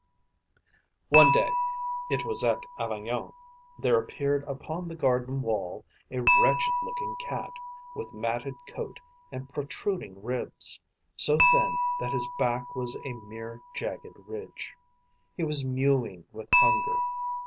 One day it was at Avignon there appeared upon the garden wall a wretched looking Cat, with matted coat and protruding ribs, so thin that his back was a mere jagged ridge. He was mewing with hunger.